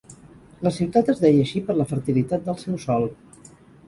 La ciutat es deia així per la fertilitat del seu sòl.